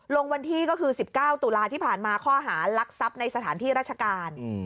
ลงวันที่ก็คือ๑๙ตุลาที่ผ่านมาข้อหารักทรัพย์ในสถานที่ราชการ